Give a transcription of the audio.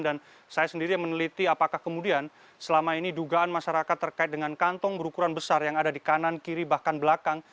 dan saya sendiri meneliti apakah kemudian selama ini dugaan masyarakat terkait dengan kantong berukuran besar yang ada di kanan kiri bahkan belakang